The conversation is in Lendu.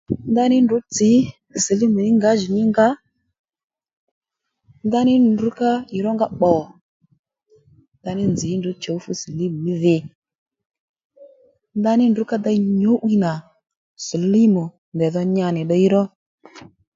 Ndaní ndrǔ tsǐ silímù mí ngǎjìní nga ndaní ndrǔ ká ì rónga pbò ndaní nzǐ ndrǔ chǔ fú silímù mí dhi ndaní ndrǔ ka dey nyǔ'wiy nà silímù ndèy dho nya nì ddiy ró